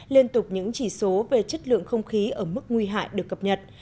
liên tục những chỉ số về chất lượng không khí ở mức nguy hại được cập nhật